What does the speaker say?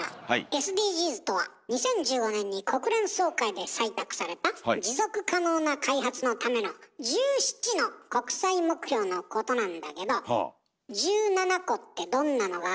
ＳＤＧｓとは２０１５年に国連総会で採択された持続可能な開発のための１７の国際目標のことなんだけど１７個ってどんなのがあるか知ってる？